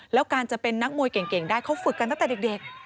แล้วการจะเป็นนักมวยเก่งได้เขาฝึกกันตั้งแต่เด็ก